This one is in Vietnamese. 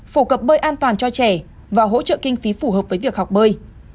phổ cập bơi an toàn cho trẻ và hỗ trợ kinh phí phù hợp với việc học bơi